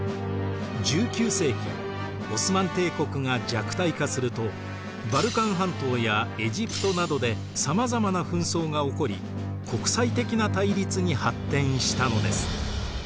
オスマン帝国が弱体化するとバルカン半島やエジプトなどでさまざまな紛争が起こり国際的な対立に発展したのです。